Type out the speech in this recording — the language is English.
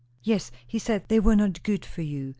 "Yes, he said they were not good for you.